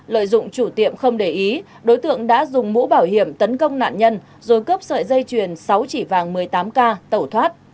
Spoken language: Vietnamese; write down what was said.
lợi dụng chủ tiệm không để ý đối tượng đã dùng mũ bảo hiểm tấn công nạn nhân rồi cướp sợi dây chuyền sáu chỉ vàng một mươi tám k tẩu thoát